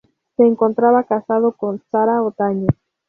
Se encontraba casado con Sara Otaño.